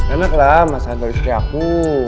enak lah masaknya terus si aku